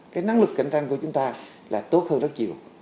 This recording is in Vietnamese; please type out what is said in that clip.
cái năng lực cạnh tranh của chúng ta là tốt hơn rất nhiều